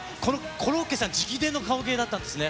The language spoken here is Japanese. コロッケさん直伝の顔芸だったんですね。